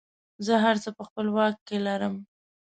زه هر څه په خپله واک کې لرم.